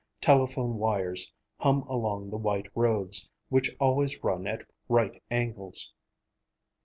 Telephone wires hum along the white roads, which always run at right angles.